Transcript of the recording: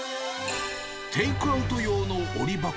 テイクアウト用の折箱。